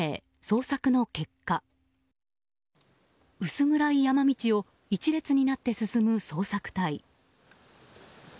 薄暗い山道を１列になって進む捜索隊。